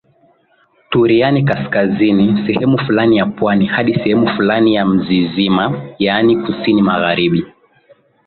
Turiani Kaskazini sehemu fulani ya Pwani hadi sehemu fulani ya Mzizima yaani kusini Magharibi